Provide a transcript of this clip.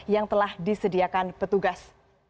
yang telah disediakan petugas